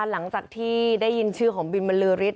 หลังจากที่ได้ยินชื่อของบินบรรลือริส